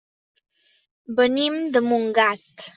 Venim de Montgat.